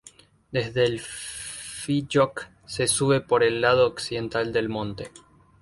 Desde el Fee-joch se sube por el lado occidental del monte.